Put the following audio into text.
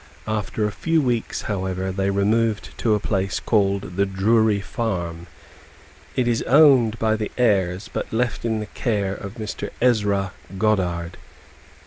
After a few weeks, however, they removed to a place called the Drury farm. It is owned by the heirs, but left in the care of Mr. Ezra Goddard.